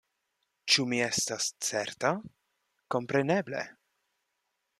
Ĉu mi estas certa? Kompreneble.